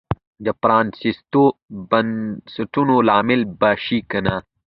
د پرانیستو بنسټونو لامل به شي که نه.